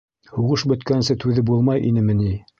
Һуғыш бөткәнсе түҙеп булмай инеме ни?